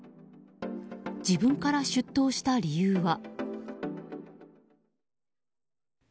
自分から出頭した理由は。